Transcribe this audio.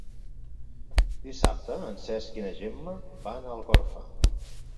Dissabte en Cesc i na Gemma van a Algorfa.